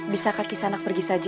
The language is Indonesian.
bisa kaki sanak pergi saja